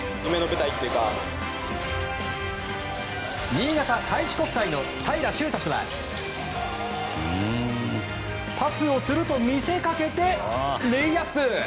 新潟・開志国際の平良宗龍はパスをすると見せかけてレイアップ！